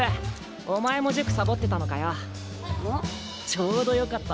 ちょうどよかった。